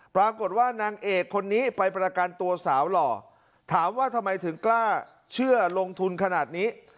ปรากฏว่านางเอกคนนี้ไปประกันตัวสาวหล่อถามว่าทำไมถึงกล้าเชื่อลงทุนขนาดนี้